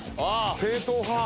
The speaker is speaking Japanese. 正統派。